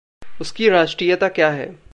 उसकी राष्ट्रीयता क्या है?